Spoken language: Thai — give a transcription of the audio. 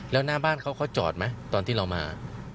แล้วหน้าบ้านเขาเขาจอดไหมตอนที่เรามา